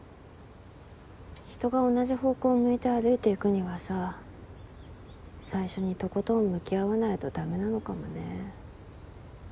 人が同じ方向を向いて歩いていくにはさ最初にとことん向き合わないと駄目なのかもね。